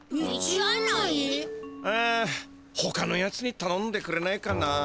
あほかのやつにたのんでくれないかな。